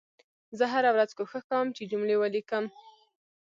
زه هره ورځ کوښښ کوم چې جملې ولیکم